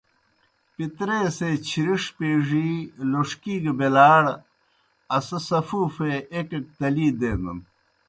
پِتریسےچِھرِݜ پیڙِی لوݜکی گہ بیلاڑ اسہ سفوفے ایْک ایْک تلی دینَن۔